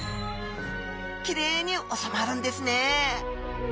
きれいにおさまるんですね。